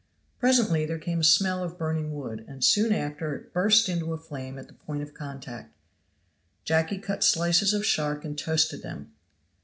Presently there came a smell of burning wood, and soon after it burst into a flame at the point of contact. Jacky cut slices of shark and toasted them.